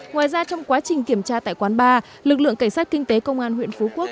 ngoài ra trong quá trình kiểm tra tại quán ba lực lượng cảnh sát kinh tế công an huyện phú quốc